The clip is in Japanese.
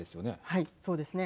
はい、そうですね。